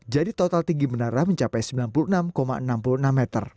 jadi total tinggi menara mencapai sembilan puluh enam enam puluh enam meter